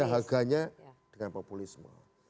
dahaganya dengan populisme